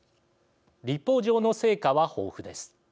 立法上の成果は豊富です。